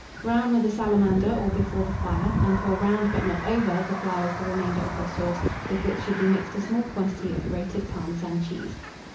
Brown with a salamander, or before the fire, and pour round, but not over, the flowers the remainder of the sauce, with which should be mixed a small quantity of grated Parmesan cheese.